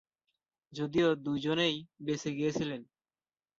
যদিও দুজনেই বেঁচে গিয়েছিলেন।